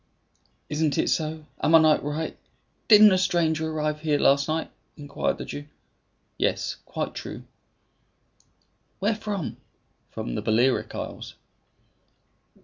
"Isn't it so? Am I not right? Didn't a stranger arrive here last night?" inquired the Jew. "Yes, quite true." "Where from?" "From the Balearic Isles."